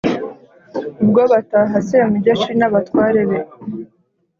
ubwo bataha semugeshi n'abatware be